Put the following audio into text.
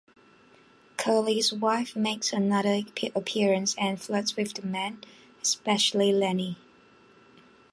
Curley's wife makes another appearance and flirts with the men, especially Lennie.